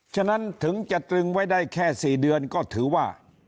ฉะนั้นถึงจะตรึงไว้ได้แค่๔เดือนก็ถือว่า